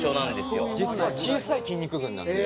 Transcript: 実は小さい筋肉群なんで。